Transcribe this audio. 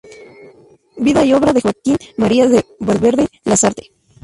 Vida y obra de Joaquín María de Valverde Lasarte.